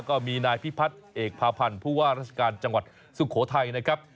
ก็มีนายพิพัฒน์เอกพาพันธ์ผู้ว่าราชการจังหวัดสุโขทัยนะครับ